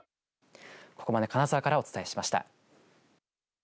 ここまで金沢からお伝えしました。